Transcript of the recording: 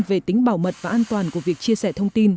về tính bảo mật và an toàn của việc chia sẻ thông tin